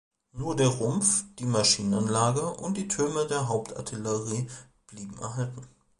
Nur der Rumpf, die Maschinenanlage und die Türme der Hauptartillerie blieben erhalten.